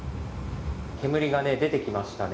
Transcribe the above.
煙が出てきましたね。